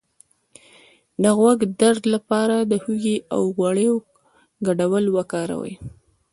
د غوږ د درد لپاره د هوږې او غوړیو ګډول وکاروئ